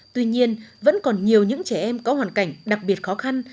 tuy nhiên vẫn còn nhiều những trẻ em có hoàn cảnh đặc biệt khó khăn